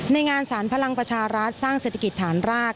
ในงานสารพลังประชารัฐสร้างเศรษฐกิจฐานราก